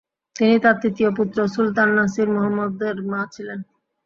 তিনি তার তৃতীয় পুত্র সুলতান নাসির মুহাম্মদের মা ছিলেন।